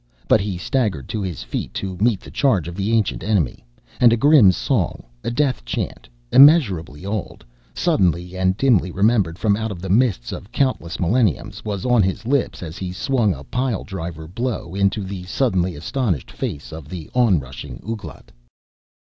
But he staggered to his feet to meet the charge of the ancient enemy and a grim song, a death chant immeasurably old, suddenly and dimly remembered from out of the mists of countless millenniums, was on his lips as he swung a pile driver blow into the suddenly astonished face of the rushing Ouglat....